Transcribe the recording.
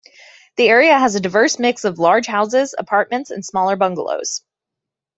The area has a diverse mix of large houses, apartments, and smaller bungalows.